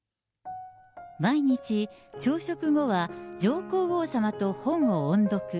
毎日、朝食後は上皇后さまと本を音読。